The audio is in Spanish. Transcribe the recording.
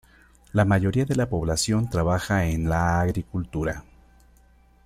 La mayoría de la población trabajaba en la agricultura.